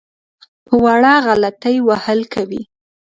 په وړه غلطۍ وهل کوي.